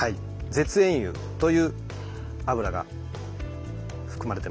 絶縁油という油が含まれてます。